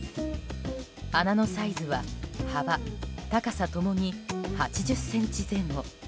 穴のサイズは幅、高さ共に８０ｃｍ前後。